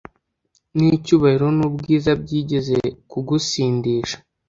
n'icyubahiro n'ubwiza byigeze kugusindisha